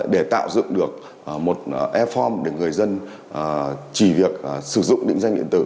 để tạo dựng được một e form để người dân chỉ việc sử dụng định danh điện tử